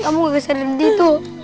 adam kamu gak bisa dengerin dia tuh